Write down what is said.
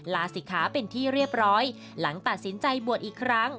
ลาศิกขาเป็นที่เรียบร้อยหลังตัดสินใจบวชอีกครั้ง